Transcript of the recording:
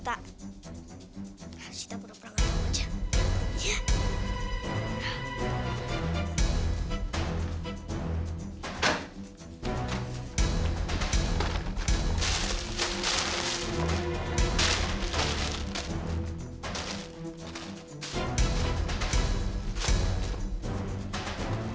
wah mainannya banyak banget